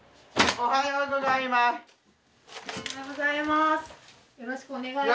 おはようございます。